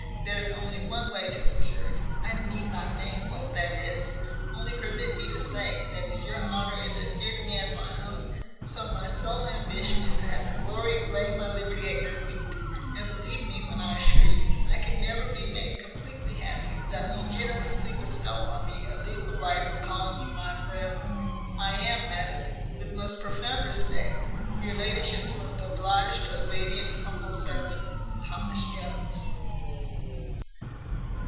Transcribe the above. There is one only way to secure it. I need not name what that is. Only permit me to say, that as your honour is as dear to me as my own, so my sole ambition is to have the glory of laying my liberty at your feet; and believe me when I assure you, I can never be made completely happy without you generously bestow on me a legal right of calling you mine for ever. I am, madam, with most profound respect, your ladyship's most obliged, obedient, humble servant, THOMAS JONES."